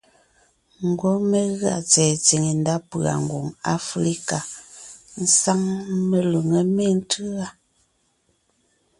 Ngwɔ́ mé gʉa tsɛ̀ɛ tsìŋe ndá pʉ̀a Ngwòŋ Aflíka sáŋ melʉŋé méntʉ́a: